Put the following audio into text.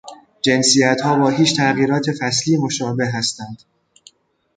جنسیت ها با هیچ تغییرات فصلی مشابه هستند.